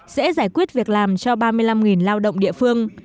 sẽ giải quyết việc làm cho ba mươi năm lao động địa phương